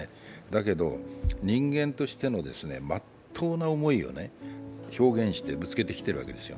だけど人間としての真っ当な思いを表現してぶつけてきているわけです。